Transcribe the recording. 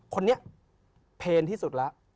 คนนี้เพลนที่สุดแล้ว